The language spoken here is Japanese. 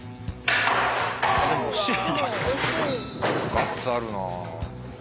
ガッツあるな。